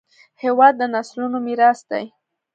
هېواد د نسلونو میراث دی.